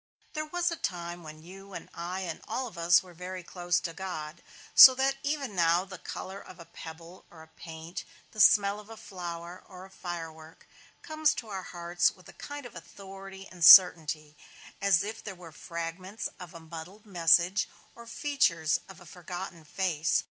There was a time when you and I and all of us were all very close to God; so that even now the color of a pebble (or a paint), the smell of a flower (or a firework), comes to our hearts with a kind of authority and certainty; as if they were fragments of a muddled message, or features of a forgotten face.